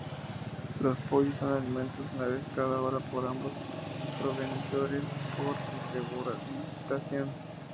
Los pollos son alimentados una vez cada hora por ambos progenitores por regurgitación.